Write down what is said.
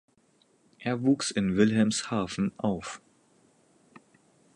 Er wuchs in Wilhelmshaven auf.